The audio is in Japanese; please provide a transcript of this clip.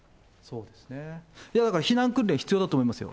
だから避難訓練必要だと思いますよ。